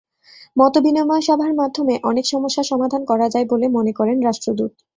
মতবিনিময় সভার মাধ্যমে অনেক সমস্যার সমাধান করা যায় বলে মনে করেন রাষ্ট্রদূত।